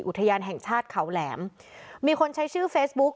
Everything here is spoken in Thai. อุทยานแห่งชาติเขาแหลมมีคนใช้ชื่อเฟซบุ๊ก